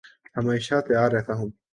ہمیشہ تیار رہتا ہوں